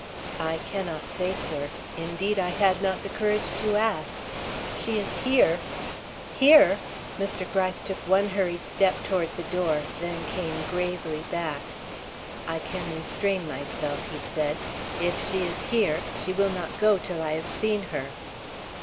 "I cannot say, sir. Indeed, I had not the courage to ask. She is here " "Here!" Mr. Gryce took one hurried step toward the door, then came gravely back. "I can restrain myself," he said. "If she is here, she will not go till I have seen her.